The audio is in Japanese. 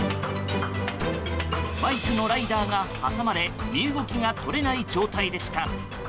バイクのライダーが挟まれ身動きが取れない状態でした。